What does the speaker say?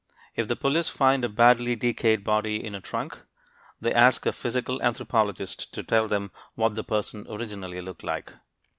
If the police find a badly decayed body in a trunk, they ask a physical anthropologist to tell them what the person originally looked like.